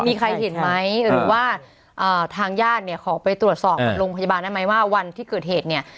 มีใครเห็นไหมหรือว่าทางญาติเนี่ยขอไปตรวจสอบกับโรงพยาบาลได้ไหมว่าวันที่เกิดเหตุเนี่ย